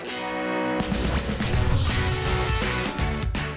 อันนี้เดี๋ยวพุธเลี้ยว